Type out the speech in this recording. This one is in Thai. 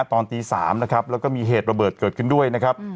ตอนตี๓นะครับแล้วก็มีเหตุระเบิดเกิดขึ้นด้วยนะครับ